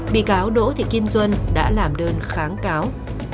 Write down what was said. bị cáo đỗ thị kim duân đã làm đơn kháng cáo